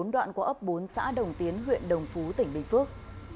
đoạn của ấp bốn xã đồng tiến huyện đồng phú tỉnh bình phước